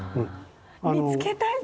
見つけたい。